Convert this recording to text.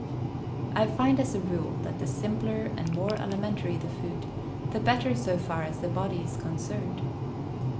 I find as a rule that the simpler and more elementary the food, the better so far as the body is concerned.